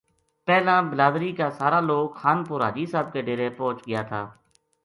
پہلاں بلادری کا سارا لوک خان پور حاجی صاحب کے ڈیرے پوہچ گیا تھا